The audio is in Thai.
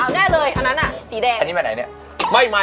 เด็กเก็บบอลโยนมา